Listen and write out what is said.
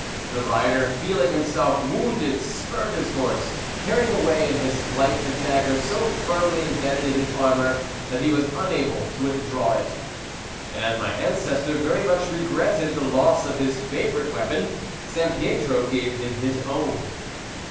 The rider feeling himself wounded spurred his horse, carrying away in his flight the dagger so firmly embedded in his armour that he was unable to withdraw it, and as my ancestor very much regretted the loss of his favourite weapon Sampietro gave him his own.